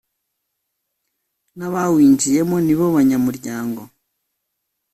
N abawinjiyemo nibo banyamuryango